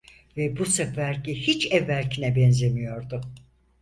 Ve bu seferki hiç evvelkine benzemiyordu.